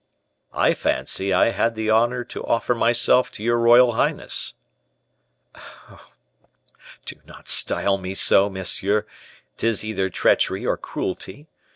"I fancy I had the honor to offer myself to your royal highness." "Oh, do not style me so, monsieur; 'tis either treachery or cruelty.